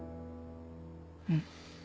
うん。